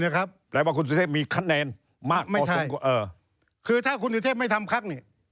แปลว่าคุณสุเทพมีคะแนนมากไม่ทำคือถ้าคุณสุเทพไม่ทำพักนี่